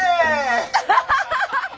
アハハハハ！